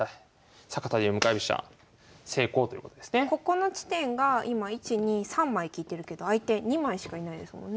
こうなればここの地点が今１２３枚利いてるけど相手２枚しかいないですもんね。